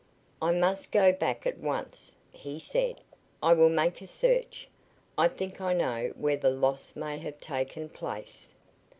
"I must go back at once," he said. "I will make a search. I think I know where the loss may have taken place."